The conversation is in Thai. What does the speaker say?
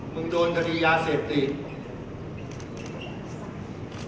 ไม่เกี่ยวกัน